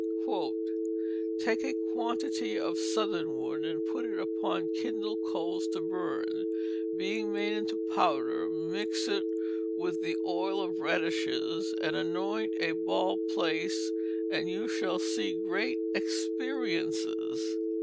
"Take a quantitye of Suthernwood and put it upon kindled coales to burn and being made into powder mix it with the oyle of radishes and anoynt a balde place and you shall see great experiences."